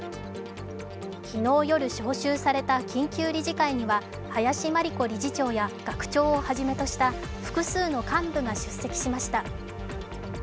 昨日夜召集された緊急理事会には、林真理子理事長や学長をはじめとした複数の幹部が出席しました。